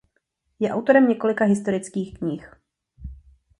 Je autorem několika historických knih.